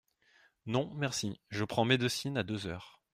Non, merci, je prends médecine à deux heures.